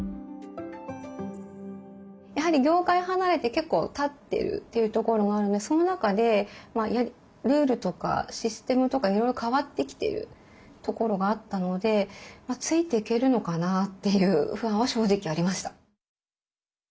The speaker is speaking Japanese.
やはり業界離れて結構たってるというところもあるのでその中でルールとかシステムとかいろいろ変わってきてるところがあったのでついていけるのかなという不安は正直ありました。